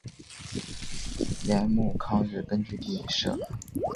盐阜抗日根据地设。